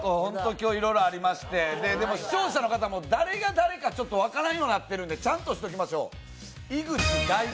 今日、いろいろありまして、でも、視聴者の方も誰が誰か分からんようになっていますので、ちゃんとしときましょう。